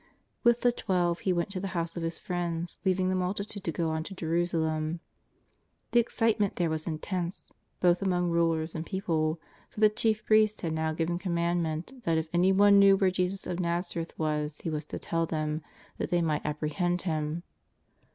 With the Twelve He went to the house of His friends, leaving the multitude to go on to Jerusalem. The excitement there was intense, both among rulers and people, for the chief priests had now given commandment that if anyone knew where Jesus of !N'azareth was he was to tell them, that they might apprehend Him.